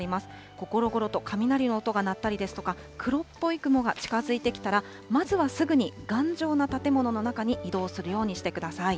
ごろごろと雷の音が鳴ったりですとか、黒っぽい雲が近づいてきたら、まずはすぐに頑丈な建物の中に移動するようにしてください。